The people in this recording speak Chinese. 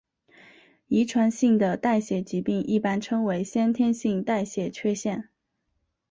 遗传性的代谢疾病一般称为先天性代谢缺陷。